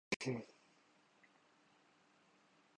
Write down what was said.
میں ٹھیک ہوں، صرف تھوڑا پریشان ہوں۔